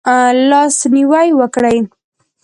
لاس نیوی وکړئ